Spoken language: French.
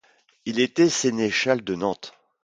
Il était sénéchal de Nantes.